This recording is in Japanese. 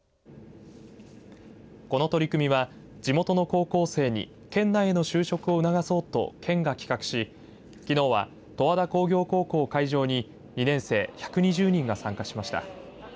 この取り組みは、地元の高校生に県内への就職を促そうと県が企画しきのうは十和田工業高校を会場に２年生１２０人が参加しました。